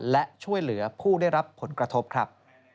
และช่วยเหลือผู้ได้รับผลกระทบครับ